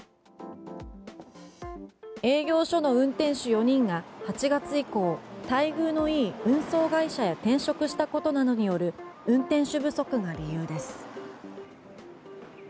営業所の運転手４人が８月以降、待遇の良い運送会社へ転職したことなどによる運転手不足が理由です。